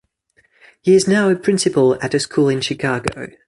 He is now a principal at a school in Chicago.